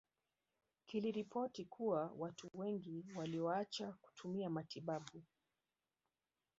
Kiliripoti kuwa watu wengi walioacha kutumia matibabu